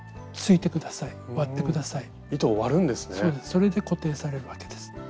それで固定されるわけです。